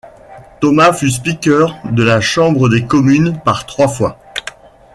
Thomas fut speaker de la Chambre des Communes par trois fois.